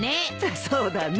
そうだね。